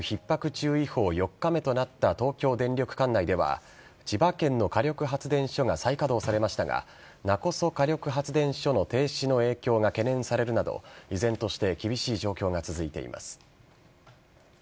注意報４日目となった東京電力管内では千葉県の火力発電所が再稼働されましたが勿来火力発電所の停止の影響が懸念されるなど依然として厳しい状況が続いています。